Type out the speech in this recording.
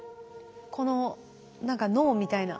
この何か脳みたいな。